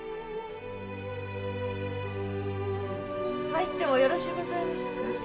・入ってもよろしゅうございますか？